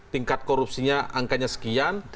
tingkat korupsinya angkanya sekian